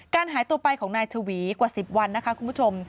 หายตัวไปของนายชวีกว่า๑๐วันนะคะคุณผู้ชม